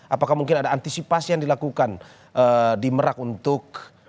apakah mungkin ada antisipasi yang dilakukan di merak untuk